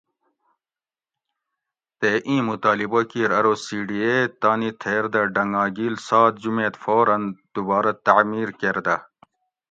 تے اِیں مُطالبہ کِیر ارو سی ڈی اے تانی تھیر دہ ڈنگاگیل سات جُمیت فوراً دوبارہ تعمیر کۤردہ